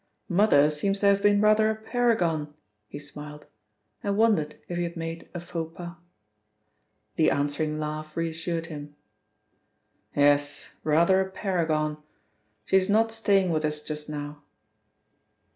"Mother seems to have been rather a paragon," he smiled, and wondered if he had made a faux pas. The answering laugh reassured him. "Yes, rather a paragon; she is not staying with us just now."